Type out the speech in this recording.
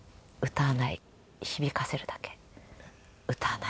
歌わない響かせるだけ。